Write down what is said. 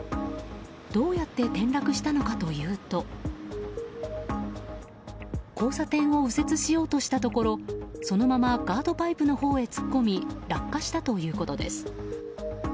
どうやって転落したのかというと交差点を右折しようとしたところそのままガードパイプのほうへ突っ込み落下したということです。